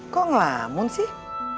kok ngelamun sih